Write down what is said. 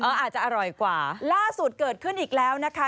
อาจจะอร่อยกว่าล่าสุดเกิดขึ้นอีกแล้วนะคะ